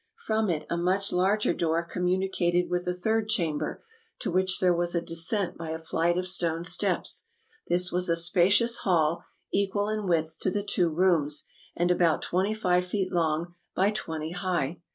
From it a much larger door communicated with a third chamber, to which there was a descent by a flight of stone steps. This was a spacious hall, equal in width to the two rooms, and about twenty five feet long by twenty high.